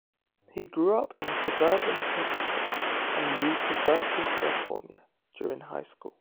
He grew up in suburban Hockessin and moved to Berkeley, California during high school.